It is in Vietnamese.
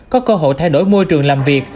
có cơ hội thay đổi môi trường làm việc